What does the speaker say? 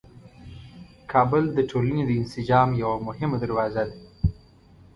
کابل د ټولنې د انسجام یوه مهمه دروازه ده.